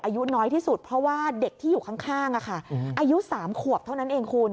อายุน้อยที่สุดเพราะว่าเด็กที่อยู่ข้างอายุ๓ขวบเท่านั้นเองคุณ